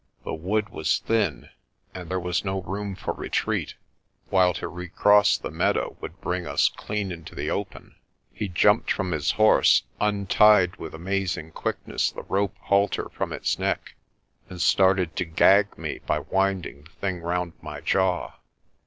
The wood was thin and there was no room for retreat, while to recross the meadow would bring us clean into the open. He jumped A DEAL AND ITS CONSEQUENCES 205 from his horse, untied with amazing quickness the rope halter from its neck, and started to gag me by winding the thing round my jaw.